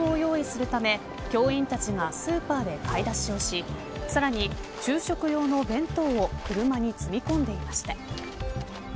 寮生の朝食を用意するため教員たちがスーパーで買い出しをしさらに、昼食用の弁当を車に積み込んでいました。